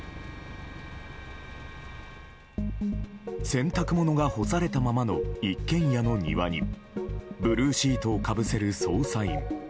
洗濯物が干されたままの一軒家の庭にブルーシートをかぶせる捜査員。